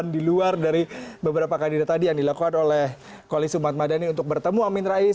di luar dari beberapa kandidat tadi yang dilakukan oleh koalisi umat madani untuk bertemu amin rais